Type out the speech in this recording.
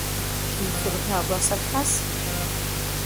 Il faudrait avoir sa trace ?